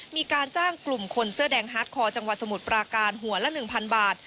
มีการจ้างกลุ่มคนเสื้อแดงฮาร์ดคอร์จังหวัดสมุทรปราการหัวละ๑๐๐บาท